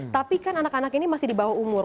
tapi kan anak anak ini masih di bawah umur